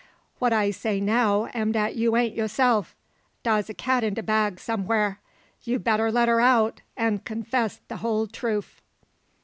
What I say now am dat you ain't yaseff. Dar's a cat in de bag, somewha; you better let her out, and confess de whole troof."